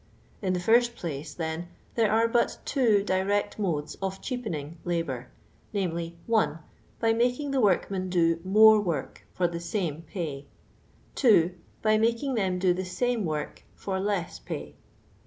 In the first place, then, there are but two direct modes of cheapening labour, viz. :— 1. By making the workmen do more work for the sa)iie pay. 2. Byjmaking them do the same work for Uss pay.